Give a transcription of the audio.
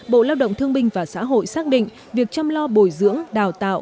bộ lao động thương binh và xã hội xác định việc chăm lo bồi dưỡng đào tạo